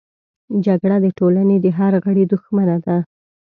جګړه د ټولنې د هر غړي دښمنه ده